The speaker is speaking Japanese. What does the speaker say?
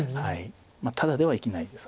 ただでは生きないです。